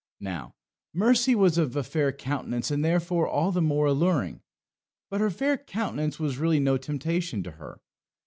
"Now, Mercy was of a fair countenance, and, therefore, all the more alluring." But her fair countenance was really no temptation to her.